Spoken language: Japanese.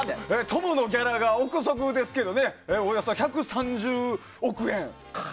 トムのギャラが憶測ですけどおよそ１３０億円。